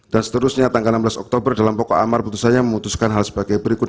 dan seterusnya tanggal enam belas oktober dalam pokok amar putusannya memutuskan hal sebagai berikut